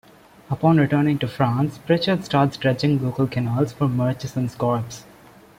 Upon returning to France, Pritchard starts dredging local canals for Murchison's corpse.